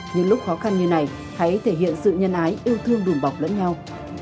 những lúc khó khăn như này hãy thể hiện sự nhân ái yêu thương đùm bọc lẫn nhau